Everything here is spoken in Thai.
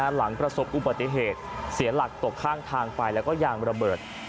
หลังประสบอุบัติเหตุเสียหลักตกข้างทางไปแล้วก็ยางระเบิด